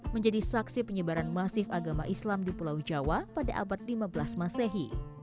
menjadi saksi penyebaran masif agama islam di pulau jawa pada abad lima belas masehi